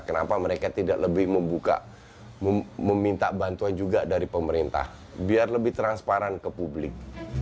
kenapa mereka tidak lebih membuka meminta bantuan juga dari pemerintah biar lebih transparan ke publik